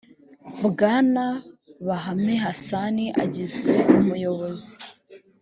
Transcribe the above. bwana bahame hassan agizwe umuyobozi